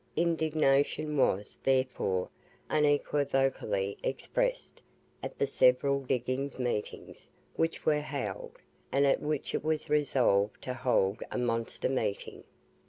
Indignation was, therefore, unequivocally expressed at the several diggings' meetings which were held, and at which it was resolved to hold a monster meeting.